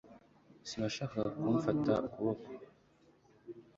Sinashakaga kumfata ukuboko